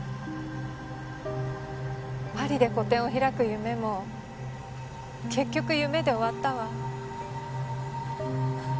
パリで個展を開く夢も結局夢で終わったわ。